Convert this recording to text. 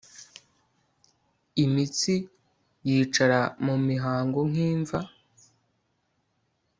imitsi yicara mu mihango nk'imva